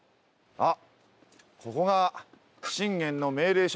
あっ！